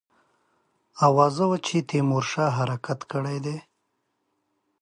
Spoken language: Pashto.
آوازه وه چې تیمورشاه حرکت کړی دی.